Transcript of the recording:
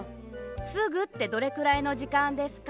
「すぐってどれくらいのじかんですか？」